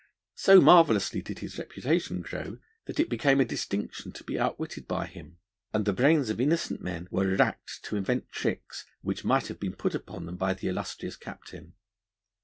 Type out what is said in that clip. So marvellously did his reputation grow, that it became a distinction to be outwitted by him, and the brains of innocent men were racked to invent tricks which might have been put upon them by the illustrious Captain.